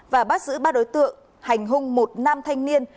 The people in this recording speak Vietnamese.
và bắt giữ ba đối tượng hành hung một nam thanh niên